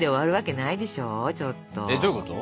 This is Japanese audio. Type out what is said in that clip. えっどういうこと？